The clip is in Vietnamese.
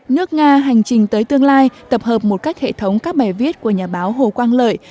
nước nga hành trình tới tương lai tập hợp một cách hệ thống các bài viết của nhà báo hồ quang lợi